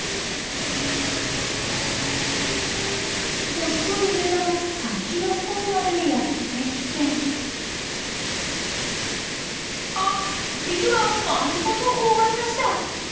細い枝の先のほうまでやって来てあビワを丸ごとほおばりました。